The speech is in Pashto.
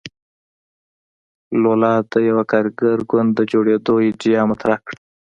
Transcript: لولا د یوه کارګر ګوند د جوړېدو ایډیا مطرح کړه.